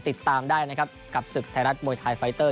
ติดตามได้นะครับกับศึกไทยรัฐมวยไทยไฟเตอร์